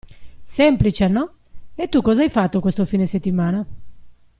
Semplice no? E tu cosa hai fatto questo fine settimana?